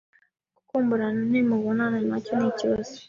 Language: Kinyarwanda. gukumburana ntimubonane nacyo nikibazo